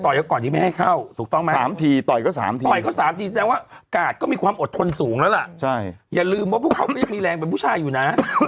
อย่าลืมว่าพวกเขาก็ยังมีแรงเป็นผู้ชายอยู่นะ